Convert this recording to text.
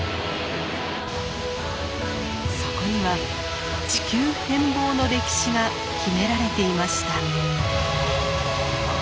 そこには地球変貌の歴史が秘められていました。